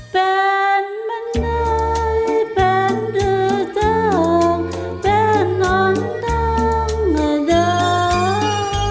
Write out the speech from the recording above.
เป็นมันไหนเป็นหรือเจ้าเป็นน้ำดำไม่เดิม